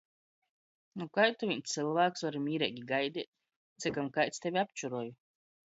Nu kai tu vīns cylvāks vari mīreigi gaideit, cikom kaids tevi apčuroj?